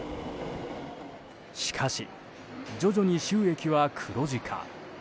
しかし、徐々に収益は黒字化。